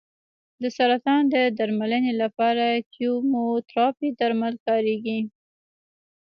د سرطان د درملنې لپاره کیموتراپي درمل کارېږي.